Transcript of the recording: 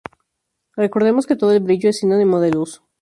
Recordemos que todo el brillo es sinónimo de luz.